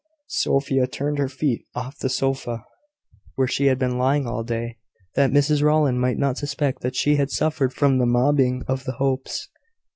Sophia turned her feet off the sofa, where she had been lying all day, that Mrs Rowland might not suspect that she had suffered from the mobbing of the Hopes.